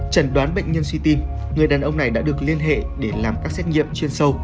trần đoán bệnh nhân suy tim người đàn ông này đã được liên hệ để làm các xét nghiệm chuyên sâu